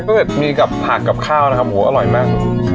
ครับมีผักกับข้าวนะครับโหอร่อยมาก